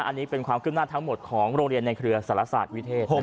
อันนี้เป็นความขึ้นหน้าทั้งหมดของโรงเรียนในเครือสารศาสตร์วิเทศ